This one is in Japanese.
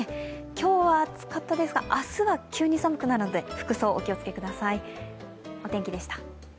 今日は暑かったですが、明日は急に寒くなるので服装にお気をつけください。